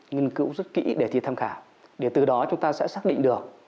nghiên cứu rất kỹ để thi tham khảo để từ đó chúng ta sẽ xác định được